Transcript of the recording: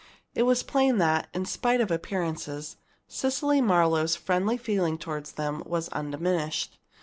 It was plain that, in spite of appearances, Cecily Marlowe's friendly feeling toward them was undiminished.